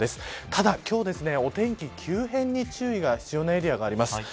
ただ今日、お天気急変に注意が必要なエリアがあります。